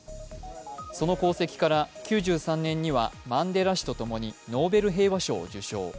その功績から９３年にはマンデラ氏と共にノーベル平和賞を受賞。